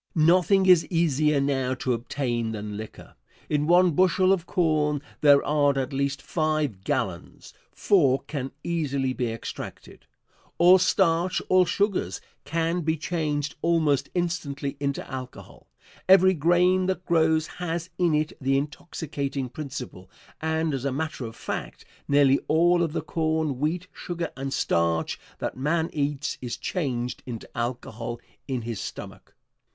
Nothing is easier now to obtain than liquor. In one bushel of corn there are at least five gallons four can easily be extracted. All starch, all sugars, can be changed almost instantly into alcohol. Every grain that grows has in it the intoxicating principle, and, as a matter of fact, nearly all of the corn, wheat, sugar and starch that man eats is changed into alcohol in his stomach.